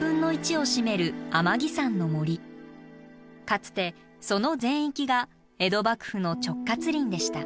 かつてその全域が江戸幕府の直轄林でした。